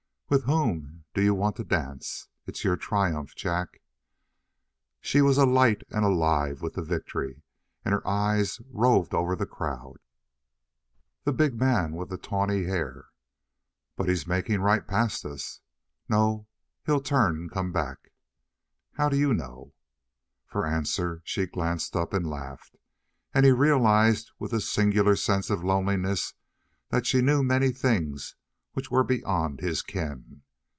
"With whom do you want to dance? It's your triumph, Jack." She was alight and alive with the victory, and her eyes roved over the crowd. "The big man with the tawny hair." "But he's making right past us." "No; he'll turn and come back." "How do you know?" For answer she glanced up and laughed, and he realized with a singular sense of loneliness that she knew many things which were beyond his ken.